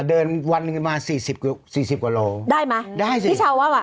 เดินวันหนึ่งมาสี่สิบกว่าสี่สิบกว่าโลได้ไหมได้สิพี่ชาวว่าอ่ะ